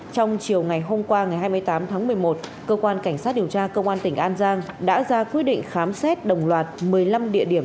trong chiều ngày hôm qua ngày hai mươi tám tháng một mươi một cơ quan cảnh sát điều tra công an tỉnh an giang đã ra quyết định khám xét đồng loạt một mươi năm địa điểm